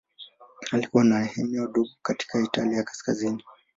Alikuwa na eneo dogo katika Italia ya Kaskazini.